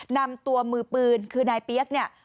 นำตัวมือปืนคือนายเปี๊ยกเนี่ย